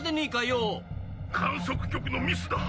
「観測局のミスだ。